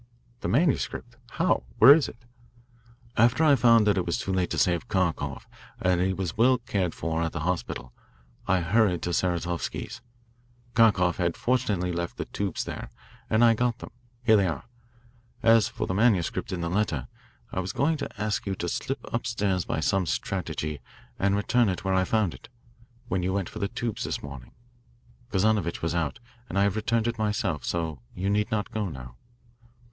"The manuscript? How? Where is it?" "After I found that it was too late to save Kharkoff and that he was well cared for at the hospital, I hurried to Saratovsky's. Kharkoff had fortunately left the tubes there, and I got them. Here they are. As for the manuscript in the letter, I was going to ask you to slip upstairs by some strategy and return it where I found it, when you went for the tubes this morning. Kazanovitch was out, and I have returned it myself, so you need not go, now."